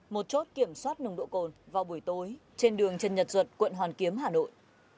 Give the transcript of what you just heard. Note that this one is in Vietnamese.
một chốt kiểm soát nồng độ cồn vào buổi tối trên đường trần nhật duật quận hoàn kiếm hà nội